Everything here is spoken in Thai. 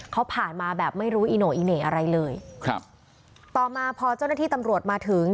เขาผ่านมาแบบไม่รู้อีโน่อีเหน่อะไรเลยครับต่อมาพอเจ้าหน้าที่ตำรวจมาถึง